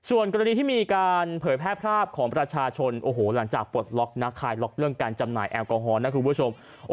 ส่วนกรณีที่มีการเผยแพร่ภาพของประชาชนโอ้โหหลังจากปลดล็อกนะคลายล็อกเรื่องการจำหน่ายแอลกอฮอลนะคุณผู้ชม